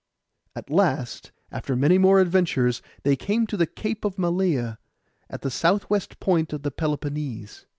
At last, after many more adventures, they came to the Cape of Malea, at the south west point of the Peloponnese.